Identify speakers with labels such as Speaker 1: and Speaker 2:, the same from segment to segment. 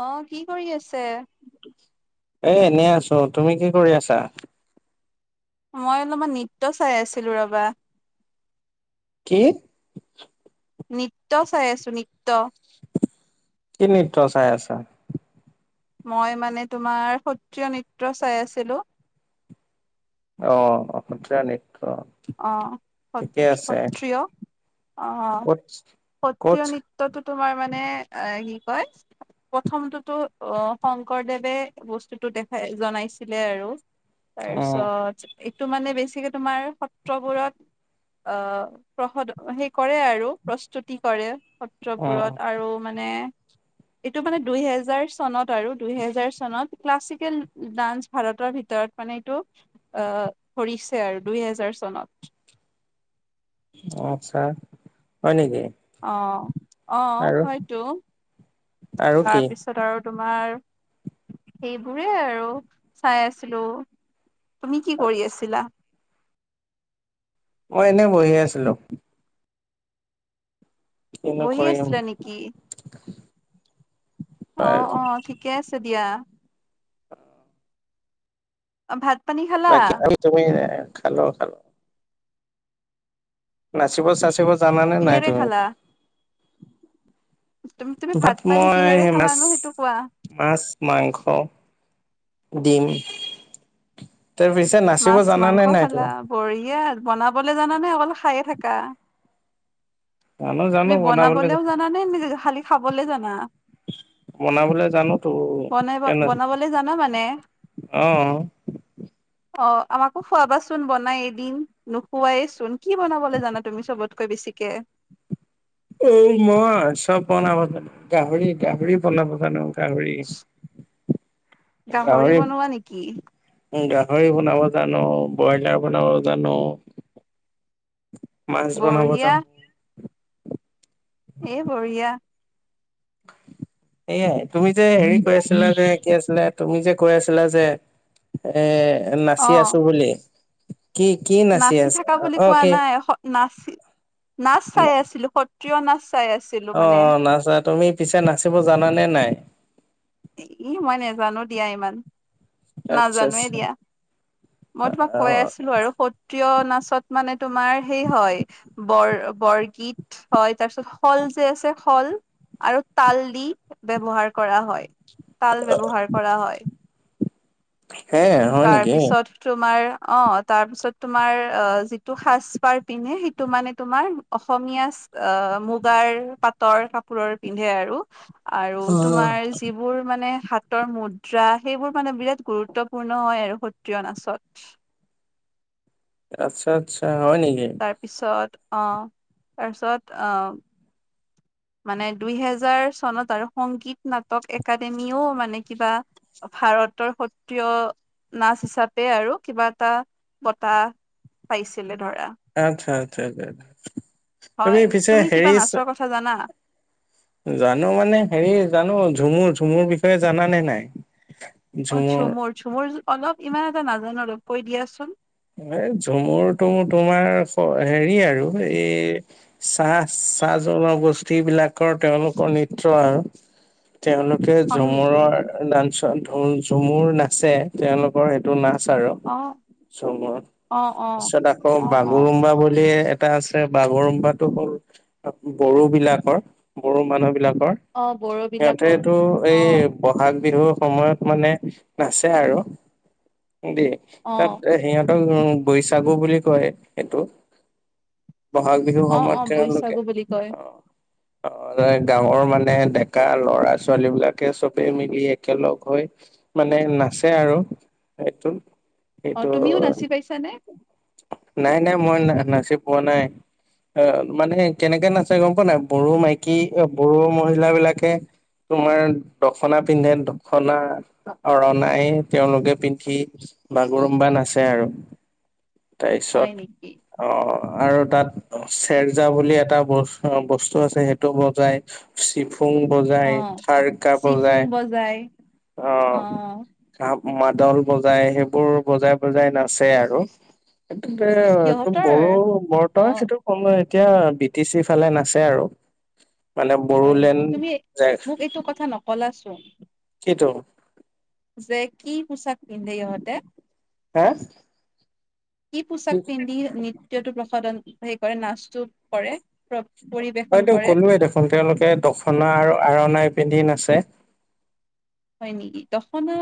Speaker 1: অ কি কৰি আছে।
Speaker 2: এ এনেই আছো তুমি কি কৰি আছা।
Speaker 1: মই অলপমান নৃত্য চাই আছিলো ৰবা।
Speaker 2: কি?
Speaker 1: নৃত্য চাই আছো নৃত্য
Speaker 2: কি নৃত্য চাই আছা।
Speaker 1: মই মানে তোমাৰ সত্ৰীয় নৃত্য চাই আছিলো।
Speaker 2: অ সত্ৰিয়া নৃত্য।
Speaker 1: অ স
Speaker 2: ঠিকে আছে
Speaker 1: সত্ৰিয় অ
Speaker 2: ক'ত ক'ত
Speaker 1: সত্ৰিয় নৃত। নৃত্যটো তোমাৰ মানে অ কি কয়। প্ৰথমটোতো অ শংকৰদেৱে বস্তুটো দেখাই জনাইছিলে আৰু।
Speaker 2: উম
Speaker 1: তাৰপিছত এইটো মানে বেছিকে তোমাৰ। সত্ৰবোৰত আহ প্ৰসত সেই কৰে আৰু প্ৰস্তুতি কৰে।
Speaker 2: উম
Speaker 1: সত্ৰপুৰত আৰু মানে। এইটো মানে দুইহেজাৰ চনত আৰু দুইহেজাৰ চনত ক্লাছিকেল ডান্স ভাৰতৰ ভিতৰত। মানে এইটো অ কৰিছে আৰু দুই হেজাৰ চনত।
Speaker 2: অ আচ্ছা হয় নেকি?
Speaker 1: অ অ
Speaker 2: আৰু
Speaker 1: হয়তো
Speaker 2: আৰু কি
Speaker 1: তাৰপিছত। [unintelligible] আৰু তোমাৰ সেইবোৰে আৰু চাই আছিলোঁ। তুমি কি কৰি আছিলা?
Speaker 2: মই এনেই বহি আছিলোঁ। কিনো
Speaker 1: বহি
Speaker 2: কৰিম,
Speaker 1: আছিলা নেকি
Speaker 2: বাৰু।
Speaker 1: কে আছে দিয়া। অ' ভাত পানী খালা?
Speaker 2: বাকী তুমি, খালোঁ, খালোঁ। নাচিব চাচিব জানানে নাই
Speaker 1: কিহেৰে
Speaker 2: তুমি?
Speaker 1: খালা তুমি তুমি
Speaker 2: ভাত
Speaker 1: পানী
Speaker 2: মই
Speaker 1: কিহেৰে খালা
Speaker 2: মাছ
Speaker 1: নো সেইটো কোৱা
Speaker 2: মাছ, মাংস, ডিম তাৰপিছ এ, নাচিব
Speaker 1: মাছ মাংস
Speaker 2: জানানে নাই
Speaker 1: খালা
Speaker 2: তুমি?
Speaker 1: বঢ়িয়া, বনাবলে জানা নে অকল খায়ে থাকা?
Speaker 2: জানো জানো
Speaker 1: তুমি
Speaker 2: বনাবলৈ
Speaker 1: বনাবলেও জানে নে খালি খাবলৈ জানা?
Speaker 2: বনাবলৈ জানোতো
Speaker 1: বনাই বনাবলে জানা মানে?
Speaker 2: [unintelligible] অ'।
Speaker 1: অ' আমাকো খোৱাবাচোন বনাই এদিন। নোখোৱায়েচোন। কি বনাবলৈ জানা তুমি চবতকৈ বেছিকে?
Speaker 2: এই মই চব বনবো জানো, গাহৰি, গাহৰি বনাব জানো। গাহৰি, গাহৰি
Speaker 1: বনোৱা নেকি?
Speaker 2: গাহৰি বনাব জানো, ব্ৰইলাৰ বনাব জানো মাছ বনাব
Speaker 1: বঢ়িয়া
Speaker 2: জানো।
Speaker 1: এই বঢ়িয়া।
Speaker 2: এয়াই। তুমি যে হেৰি কৈ আছিলা যে, কি আছিলা তুমি যে কৈ আছিলা যে এ, নাচি
Speaker 1: অ'।
Speaker 2: আছোঁ বুলি কি কি
Speaker 1: নাচি
Speaker 2: আছা
Speaker 1: থাকা বুলি
Speaker 2: অ
Speaker 1: কোৱা
Speaker 2: কি
Speaker 1: নাই, স নাচি নাচ চাই আছিলোঁ সত ত্ৰীয় নাচ চাই আছ
Speaker 2: অ' নাচা। তুমি পিছে নাচিব জানানে নাই?
Speaker 1: ই মই নেজানো দিয়া ইমান।
Speaker 2: আচ্ছা
Speaker 1: নাজানোৱে দিয়া।
Speaker 2: আচ্ছা
Speaker 1: মই তোমাক
Speaker 2: অ
Speaker 1: কৈ আছিলো আৰু সত ত্ৰীয় নাচত মানে তোমাৰ সেই হয় বৰ বৰগীত হয় তাৰপিছত শল যে আছে শল আৰু তাল দি ব্যৱহাৰ কৰা হয়, তাল ব্যৱহাৰ কৰা হয়।
Speaker 2: হে হয় নেকি
Speaker 1: তাৰপিছত তোমাৰ অ' তাৰপিছত তোমাৰ অ' যিটো সাজপাৰ পিন্ধে সেইটো মানে তোমাৰ অসমীয়া আ, মুগাৰ পাটৰ কাপোৰৰ পিন্ধে আৰু। আৰু
Speaker 2: অ
Speaker 1: তোমাৰ যিবোৰ মানে হাতৰ মুদ্ৰা সেইবোৰ মানে বিৰাট গুৰুত্ব পূৰ্ণ হয় আৰু সত্ৰীয়া নাচত।
Speaker 2: আচ্ছা আচ্ছা, হয় নেকি?
Speaker 1: তাৰপিছত অ' তাৰপিছত আ মানে দুইহেজাৰ চনত আৰু সংগীত নাটক একাডেমিও মানে কিবা ভাৰতৰ সত্ৰিয় নাচ হিচাপে আৰু কিবা এটা বটা পাইছিলে ধৰা।
Speaker 2: আচ্ছা আচ্ছা আচ্ছা। তুমি পিছে হেৰি
Speaker 1: খা জানা?
Speaker 2: জানো মানে হেৰি জানো, ঝুমুৰ ঝুমুৰ বিষয়ে জানা নে নাই?
Speaker 1: অ
Speaker 2: ঝুমুৰ
Speaker 1: চুমুৰ চুমুৰ অলপ ইমান এটা নাজানো আলো কৈ দিয়াচোন।
Speaker 2: এ ঝুমুৰ টোমূৰ তোমাৰ হেৰি আৰু এই। চাহ চাহ জনগোষ্ঠী বিলাকৰ তেওঁলোকৰ নৃত্য আৰু। তেওঁলোকে
Speaker 1: হয় নেকি?
Speaker 2: ঝুমুৰাৰ। নাঞ্চৰ ঝুমুৰ নাচে তেওঁলোকৰ সেইটো নাচ আৰু।
Speaker 1: অ।
Speaker 2: ঝুমুৰ
Speaker 1: অ', অ',
Speaker 2: তাৰপিছত আকৌ
Speaker 1: অ', অ',
Speaker 2: বাগুৰুম্বা বুলি এ। টা আছে বাগৰুম্বটো হ'ল বড়ো বিলাকৰ বড়ো মানুহ বিলাকৰ।
Speaker 1: অ', বড়োবিলাকৰ
Speaker 2: সিয়তেটো এ।
Speaker 1: অ',
Speaker 2: বহাগ বিহুৰ সময়ত মানে নাচে আৰু দে।
Speaker 1: অঁ।
Speaker 2: সিহঁতক উ বৈশাগু বুলি কয় সেইটো বহাগ। বিহু
Speaker 1: অ',
Speaker 2: সময়ত
Speaker 1: অ',
Speaker 2: তেওঁলোকে
Speaker 1: বৈচাগু বুলি কয়
Speaker 2: অ। অ গাঁৱৰ মানে ডেকা লৰা ছোৱালী বিলাকে চবে মিলি একেলগ হৈ। মানে নাচে আৰু এইটো।
Speaker 1: অ',
Speaker 2: এটো
Speaker 1: তুমিও নাচি পাইছানে
Speaker 2: নাই নাই মই ন নাচি পোৱা নাই। অ মানে কেনেকে নাচে গম পোৱা নাই বড়ো মাইকী অ বড়ো মহিলা বিলাকে। তোমাৰ দখনা পিন্ধে দখনা। অ ৰণাই তেওঁলোকে পিন্ধি। বাগোঁৰুম্বা নাচে আছে আৰু
Speaker 1: হয় নেকি?
Speaker 2: তাৰপিছত। অ আৰু তাত চেৰজা বুলি এটা বস বস্তু আছে সেইটো বজাই। চিফুং বজাই
Speaker 1: অ',
Speaker 2: থাৰ্কা
Speaker 1: চিফুং
Speaker 2: বজায়
Speaker 1: বজাই
Speaker 2: অ। কাপ মাদল বজাই সেইবোৰ বজাই বজাই নাচে আৰু। [inaudible]
Speaker 1: সিহঁতৰ
Speaker 2: বড়ো বৰতচ
Speaker 1: অ',
Speaker 2: সেইটো। সময় এতিয়া বি টি চি ফালে নাচে আৰু। মানে বড়োলেণ্ড যায়।
Speaker 1: কলে ছো।
Speaker 2: কিটো।
Speaker 1: যে কি পোছাক পিন্ধে ইহঁতে।
Speaker 2: হা।
Speaker 1: কি পোচাক পিন্ধি নৃত্যটো প্ৰসদন হেৰি কৰে নাচটো কৰে। পৰিৱেশন
Speaker 2: হয়টো
Speaker 1: কৰে
Speaker 2: ক'লোয়ে দেখোন তেওঁলোকে দখনা আৰু আৰনাই পিন্ধি নাচে।
Speaker 1: হয় নেকি দখনা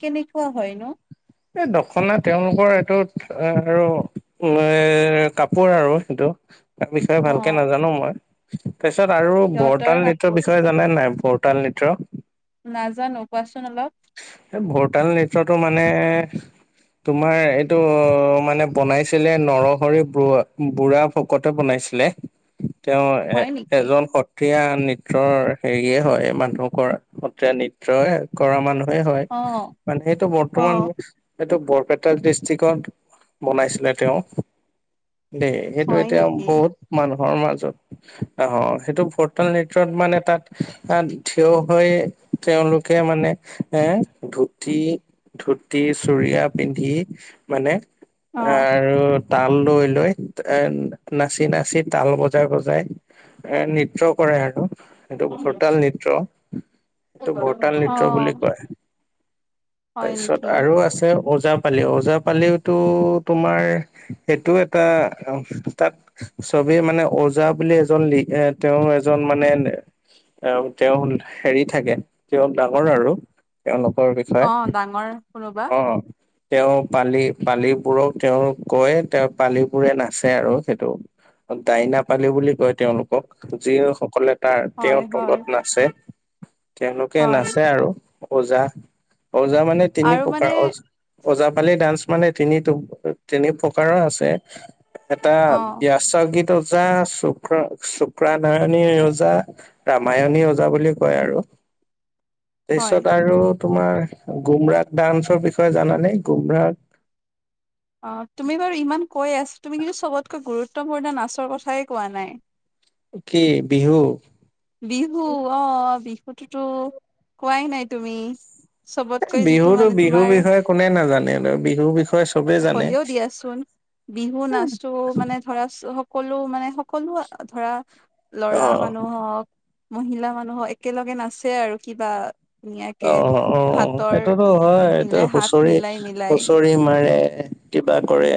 Speaker 1: কেনেকুৱা হয় ন।
Speaker 2: এই দখনা তেওঁলোকৰ এইটোত এ [inaudible] কাপোৰ আৰু সেইটো। তাৰ বিষয়ে ভালকে
Speaker 1: অ',
Speaker 2: নাজানো মই তাৰপিছত আৰু
Speaker 1: সিহঁতৰ
Speaker 2: বৰতাল নৃত্যৰ
Speaker 1: কাপোৰ
Speaker 2: বিষয়ে জা। না নাই বৰতাল নৃত্য।
Speaker 1: নাজানো কোৱাচোন অলপ।
Speaker 2: এ বৰতাল নৃত্যটো মানে। তোমাৰ এইটো মানে বনাইছিলে নৰসৰি ব বুঢ়া। ভকতে বনাইছিলে তেওঁ এ
Speaker 1: হয় নেকি
Speaker 2: এজন স। তিয়া নৃত্যৰ হেৰি হয় মানুহ কৰা সএীয়া নৃত্যই কৰা মানুহ। হয় হয়
Speaker 1: অ',
Speaker 2: মানে এইটো বৰ্তমান।
Speaker 1: অ',
Speaker 2: সেইটো বৰপেটা ডিষ্ট্ৰিকত বনাইছিলে তেওঁ দে। সেইটো
Speaker 1: হয়
Speaker 2: এতিয়া
Speaker 1: নেকি
Speaker 2: বহুত মানুহৰ মাজত। আহ সেইটো ভৰতাল নৃত্যত মানে তাত। তাত থিয় হৈ তেওঁলোকে মানে- এ ধুতি ধুতি চুৰিয়া পিন্ধি মানে-
Speaker 1: অ',
Speaker 2: আৰু- তাল লৈ লৈ এ নাচি নাচি তাল বজাই বজাই- এ নৃত্য কৰে আৰু। এইটো ভৰতাল নৃত্য, এইটো ভৰতাল নৃত্য বুলি
Speaker 1: অ',
Speaker 2: কয়।
Speaker 1: হয়
Speaker 2: তাৰপিছত
Speaker 1: নেকি
Speaker 2: আৰু আছে ওজা পালি ওজা পালিও তোমাৰ সেইটো এটা তাত- চবেই মানে ওজা বুলি এজন লি এ তেওঁৰ এজন মানে- এ তেওঁ হেৰি থাকে তেওঁ ডাঙৰ আৰু। তেওঁলোকৰ
Speaker 1: অ
Speaker 2: বিষয়ে,
Speaker 1: ডাঙৰ কোনোবা
Speaker 2: অ। তেওঁ পালি পালিবোৰক তেওঁ কৈ তেওঁ পালিবোৰে নাচে আৰু সেইটো। ডাইনা পালি বুলি কয় তেওঁলোকক যি সকলে- তাৰ
Speaker 1: হয়
Speaker 2: তেওঁৰ
Speaker 1: হয়
Speaker 2: তলত নাচে, তেওঁলোকে
Speaker 1: হয়
Speaker 2: নাচে আৰু। ওজা, ওজা মানে তিনি
Speaker 1: আৰু মানে
Speaker 2: প্ৰকাৰ ওজা- ওজাপালি ডান্স মানে তিনি তিনি প্ৰকাৰৰ আছে এটা
Speaker 1: অ
Speaker 2: বিয়াত চৰগীত ওজা শুক্ৰ শুক্ৰা নয়ণী ওজা- ৰামায়ণী ওজা বুলি কয় আৰু।
Speaker 1: হয়
Speaker 2: তাৰপিছত আৰু তোমাৰ গুমৰাগ ডান্সৰ বিষয়ে জানানে গুমৰাগ?
Speaker 1: অ তুমি বাৰু ইমান কৈ আছা তুমি কিন্তু চবতকৈ গুৰুত্বপূৰ্ণ নাচৰ কথাই কোৱা নাই।
Speaker 2: কি বিহু?
Speaker 1: বিহু অ বিহুততো, কোৱাই নাই তুমি। চবতকৈ যিটো
Speaker 2: বিহুতো
Speaker 1: মানে
Speaker 2: বিহুৰ
Speaker 1: তোমাৰ
Speaker 2: বিষয়ে কোনে নাজানে বিহুৰ বিষয়ে চবে জানে।
Speaker 1: কোৱাচোন? বিহু নাচতো মানে ধৰা সকলো মানে সকলো ধৰা- ল'ৰা
Speaker 2: অ
Speaker 1: মানুহক, মহিলা মানুহক একেলগে নাচে আৰু কিবা। ধুনীয়াকে
Speaker 2: অ অ
Speaker 1: হাতৰ
Speaker 2: সেইটোতো হয় এই
Speaker 1: মিলাই হাত
Speaker 2: হুঁচৰি
Speaker 1: মিলাই মিলাই
Speaker 2: হুচৰি মাৰে। কিবা কৰে,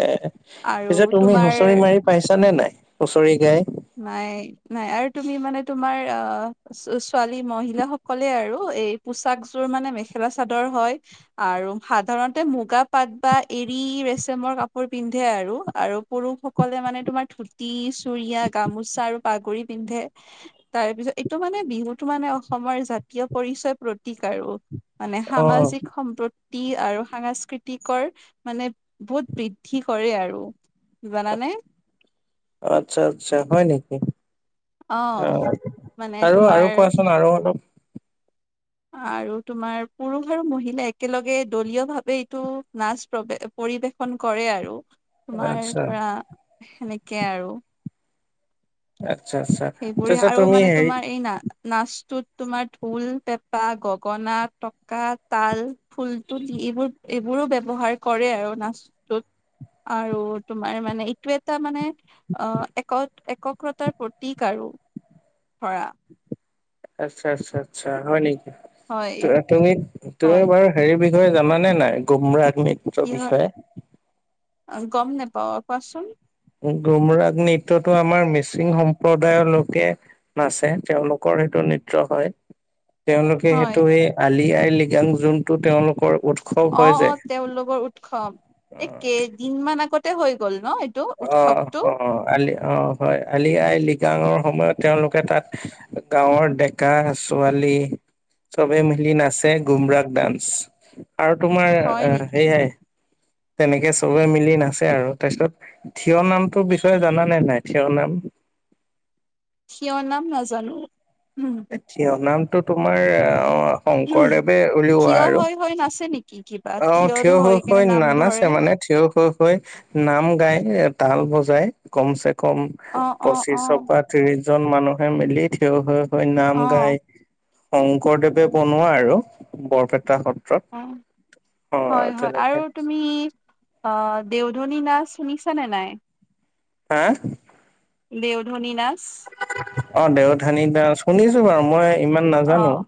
Speaker 1: আৰু
Speaker 2: পিছে তুমি
Speaker 1: তোমাৰ
Speaker 2: হুঁচৰি মাৰি পাইছ নে নাই হুঁচৰি গাই?
Speaker 1: নাই নাই আৰু তুমি মানে তোমাৰ অ- ছোৱালী মহিলা সকলে আৰু এই পোচাকযোৰ মানে মেখেলা চাদৰ হয়। আৰু সাধাৰণতে মুগা পাট বা এৰি ৰেচমৰ কাপোৰ পিন্ধে আৰু আৰু- পুৰুষসকলে মানে তোমাৰ ধুতি চুৰিয়া গামোচা আৰু পাগৰি পিন্ধে- তাৰ পিছত এইটো মানে বিহুতটো মানে অসমৰ জাতীয় পৰিচয় প্ৰতীক আৰু। মানে
Speaker 2: অ
Speaker 1: সামাজিক সম্পতি আৰু সাংস্কৃতিকৰ মানে বহুত বৃদ্ধি কৰে আৰু। জানানে?
Speaker 2: আচ্ছা আচ্ছা হয় নেকি। অ,
Speaker 1: মানে
Speaker 2: আৰু
Speaker 1: তোমাৰ
Speaker 2: আৰু কোৱাচোন আৰু অলপ।
Speaker 1: আৰু তোমাৰ পুৰুষ আৰু মহিলা একেলগে দলীয় ভাৱে এইটো নাচ প্ৰব পৰিবেশন কৰে আৰু তোমাৰ
Speaker 2: আচ্ছা
Speaker 1: ধৰা সেনেকে আৰু।
Speaker 2: আচ্ছা আচ্ছা।
Speaker 1: সেইবোৰে
Speaker 2: তাৰপিছত
Speaker 1: আৰু
Speaker 2: তুমি
Speaker 1: মানে
Speaker 2: হেৰি
Speaker 1: তোমাৰ এই না নাচটোত তোমাৰ ঢোল পেঁপা গগনা টকা তাল ফুল তুলি এইবোৰ- এইবোৰো ব্যৱহাৰ কৰে আৰু নাচটোত, আৰু তোমাৰ মানে এইটো এটা মানে- অ এক একগ্ৰতাৰ প্ৰতীক আৰু, ধৰা।
Speaker 2: আচ্ছা আচ্ছা আচ্ছা হয় নেকি?
Speaker 1: হয়
Speaker 2: ত-তুমি তুমি
Speaker 1: হয়
Speaker 2: বাৰু হেৰি বিষয়ে জানে নাই গুমৰাগ নৃত্যৰ
Speaker 1: কি হয়
Speaker 2: বিষয়ে
Speaker 1: গম অ' নাপাওঁ কোৱাচোন।
Speaker 2: গুমৰাগ নৃত্যতো আমাৰ মিচিং সম্প্ৰদায়ৰ লোকে নাচে তেওঁলোকৰ সেইটো নৃত্য হয়। তেওঁলোকে
Speaker 1: হয়
Speaker 2: সেইটো এই আলি আই লৃগাং যোনটো তেওঁলোকৰ উৎ
Speaker 1: অ', অ', তেওঁলোকৰ উৎসৱ, এই কেইদিনমান আগতে হৈ গ'ল ন? এইটো
Speaker 2: অ',
Speaker 1: উৎসৱটো
Speaker 2: অ', আলি অ' হয় আলি আই লিগাঙৰ সময়ত তেওঁলোকে তাত গাঁৱৰ ডেকা ছোৱালী চবে মিলি নাচে গুমৰাগ ডান্স। আৰু তোমাৰ
Speaker 1: হয় নেকি?
Speaker 2: সেয়াই তেনেকে চবে মিলি নাচে আৰু তাৰপিছত থিয় নামটো বিষয়ে জানানে নে নাই থিয় নাম?
Speaker 1: থিয় নাম নাজানো উম!
Speaker 2: এ থিয় নামটো তোমাৰ অ'
Speaker 1: উম
Speaker 2: শংকৰদেৱে উলিওৱা
Speaker 1: থিয়
Speaker 2: আৰু
Speaker 1: হৈ হৈ নাচে নেকি কিবা
Speaker 2: অ' থিয় হৈ
Speaker 1: কেনে
Speaker 2: হৈ
Speaker 1: নাম ধৰে?
Speaker 2: নানাছে মানে থিয় হৈ হৈ নাম গাই তাল বজাই কম চে কম
Speaker 1: অ', অ', অ',
Speaker 2: পঁচিশৰ পৰা ত্ৰিশজন মানুহে মিলি থিয় হৈ হৈ নাম
Speaker 1: অ',
Speaker 2: গাই। শংকৰদেৱে বনোৱা আৰু বৰপেটা সত্ৰ
Speaker 1: অ',
Speaker 2: ত
Speaker 1: হয়
Speaker 2: অ'
Speaker 1: হয় আৰু
Speaker 2: তেনেকে
Speaker 1: তুমি অ' দেউধনী নাচ শুনিছানে নাই?
Speaker 2: হা?
Speaker 1: দেউধনী নাচ?
Speaker 2: অ', দেউধনি নাচ শুনিছো বাৰু মই ইমান নাজানো
Speaker 1: অ',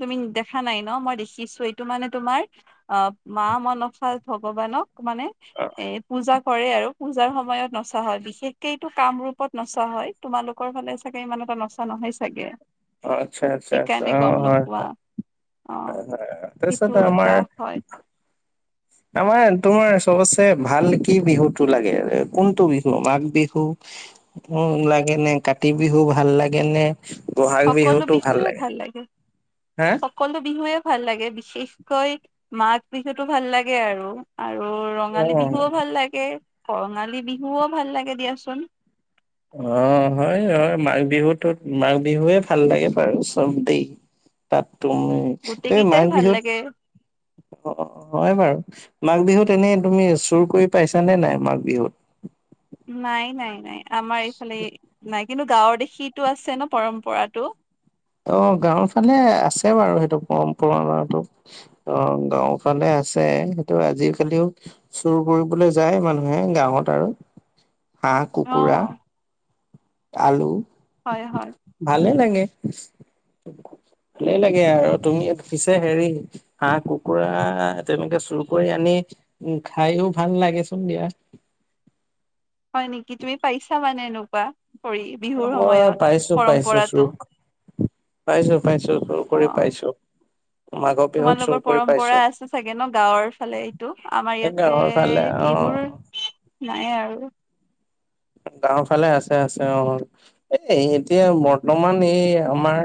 Speaker 1: তুমি দেখা নাই ন মই দেখিছো, এইটো মানে তোমাৰ অ', মা মনসা ভগৱানক মানে
Speaker 2: অ'।
Speaker 1: এ পূজা কৰে আৰু পূজাৰ সময়ত নচা হয়। বিশেষকে এইটো কামৰূপত নচা হয়। তোমালোকৰ ফালে চাগে ইমান এটা নচা নহয় চাগে?
Speaker 2: আচ্ছা আচ্ছা আচ্ছা
Speaker 1: সেইকাৰণে গম
Speaker 2: অ' হয়
Speaker 1: নোপোৱা
Speaker 2: হয়! অ',
Speaker 1: সেইটো
Speaker 2: তাৰপিছত আমাৰ
Speaker 1: এটা হয়
Speaker 2: আমাৰ তোমাৰ চবতছে ভাল কি বিহুটো লাগে কোনটো বিহু মাঘ বিহু উম, লাগে নে কাতি বিহু ভাল লাগে নে বহাগ
Speaker 1: সকলো
Speaker 2: বিহুটো
Speaker 1: বিহুৱে
Speaker 2: ভাল লাগে?
Speaker 1: লাগে।
Speaker 2: হা?
Speaker 1: সকলো বিহুৱে ভাল লাগে বিশেষকৈ মাঘ বিহুতো ভাল লাগে আৰু। আৰু
Speaker 2: অ
Speaker 1: ৰঙালী বিহুও ভাল লাগে কঙালী বিহুও ভাল লাগে দিয়াচোন।
Speaker 2: অ', হয় হয় মাঘ বিহুতোত মাঘ বিহুৱে ভাল লাগে বাৰু চব দেই। তাত তুমি
Speaker 1: গোটেই
Speaker 2: এই
Speaker 1: কেইটাই
Speaker 2: মাঘ
Speaker 1: ভাল
Speaker 2: বিহুত
Speaker 1: লাগে
Speaker 2: অ' হয় বাৰু। মাঘ বিহুত এনেই তুমি চুৰ কৰি পাইছানে নাই মাঘ বিহুত?
Speaker 1: নাই নাই নাই আমাৰ এইফালে নাই কিন্তু গাঁৱৰ দেখিটো আছে ন পৰম্পৰাটো।
Speaker 2: অ', গাঁওৰ ফালে আছে বাৰু সেইটো পৰম্পৰাটো। অ', গাঁও ফালে আছে সেইটো আজিকালিও চুৰ কৰিবলৈ যায় মানুহে গাঁৱত আৰু হাঁহ
Speaker 1: অ
Speaker 2: কুকুৰা। আলু।
Speaker 1: হয়, হয়।
Speaker 2: ভালে লাগে ভালে লাগে আৰু তুমি পিছে হেৰি। হাঁহ, কুকুৰা তেনেকে চুৰ কৰি আনি উ খাইও ভাল লাগেচোন দিয়া।
Speaker 1: হয় নেকি তুমি পইচা মানে এনেকুৱা। কৰি বিহুৰ
Speaker 2: মই
Speaker 1: সময়ত
Speaker 2: পাইছো পাইছো
Speaker 1: পৰম্পৰাটো
Speaker 2: চুখ। পাইছোঁ পাইছোঁ চুৰ
Speaker 1: অ
Speaker 2: কৰি পাইছোঁ।
Speaker 1: তোমালোকৰ পৰম্পৰা আছে চাগে ন গাঁৱৰ ফালে এইটো আমাৰ
Speaker 2: এই
Speaker 1: ইয়াতে
Speaker 2: গাঁৱৰ ফালে অ
Speaker 1: এইবোৰ। নাই আৰু।
Speaker 2: গাওঁ ফালে আছে আছে অ এই এতিয়া বৰ্তমান এই আমাৰ।